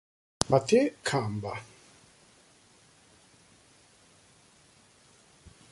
Mathieu Kamba